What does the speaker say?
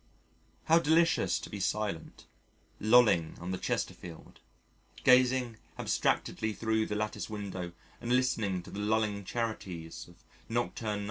How delicious to be silent, lolling on the Chesterfield, gazing abstractedly thro' the lattice window and listening to the lulling charities of Nocturne No.